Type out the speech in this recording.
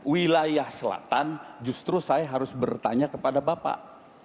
wilayah selatan justru saya harus bertanya kepada bapak